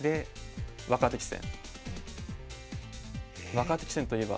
若手棋戦といえば。